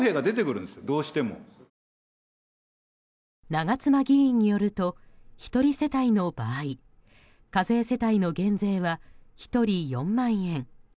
長妻議員によると１人世帯の場合課税世帯の減税は１人４万円。